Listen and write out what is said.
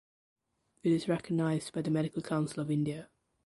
It is recognised by the Medical Council of India.